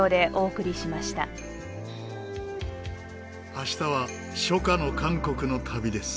明日は初夏の韓国の旅です。